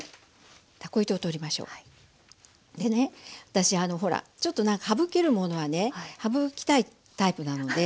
私ほらちょっと何か省けるものは省きたいタイプなので。